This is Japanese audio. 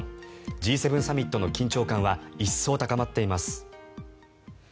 Ｇ７サミットの緊張感は一層高まっています。